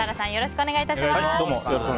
よろしくお願いします。